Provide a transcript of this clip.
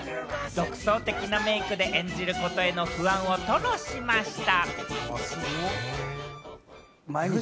独創的なメイクで演じることへの不安を吐露しました。